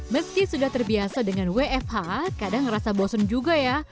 meski sudah terbiasa dengan wfh kadang ngerasa bosen juga ya